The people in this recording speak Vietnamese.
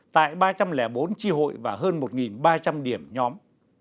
tại ba trăm linh bốn tri hội và hơn một ba trăm linh điểm nhóm